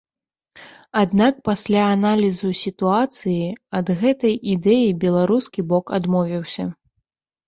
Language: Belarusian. Аднак пасля аналізу сітуацыі ад гэтай ідэі беларускі бок адмовіўся.